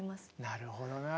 なるほどね。